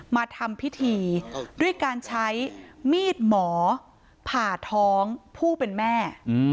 มาทำพิธีด้วยการใช้มีดหมอผ่าท้องผู้เป็นแม่